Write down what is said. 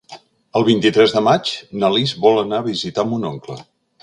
El vint-i-tres de maig na Lis vol anar a visitar mon oncle.